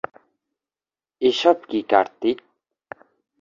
এসব কী কার্তিক!